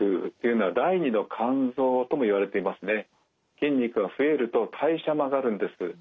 筋肉が増えると代謝も上がるんです。